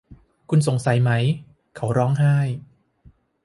คุณสงสัยไหม ? เขาร้องไห้